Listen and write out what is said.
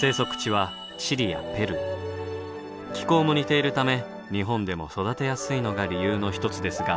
気候も似ているため日本でも育てやすいのが理由の一つですが。